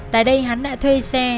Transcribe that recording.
tại đây hắn đã thuê xe